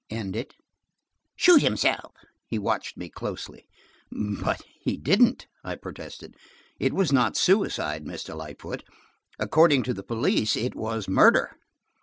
"End it?" "Shoot himself." He watched me closely. "But he didn't," I protested. "It was not suicide, Mr. Lightfoot. According to the police, it was murder."